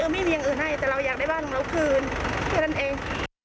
ไม่เนียงอื่นให้แต่เราอยากได้บ้านเราคืนเพื่อนั่นเอง